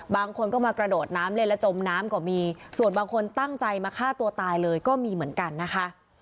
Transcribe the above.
บางคนก็มากระโดดน้ำเล่นแล้วจมน้ำก็มีส่วนบางคนตั้งใจมาฆ่าตัวตายเลยก็มีเหมือนกันนะคะ